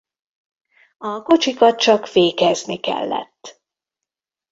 A kocsikat csak fékezni kellett.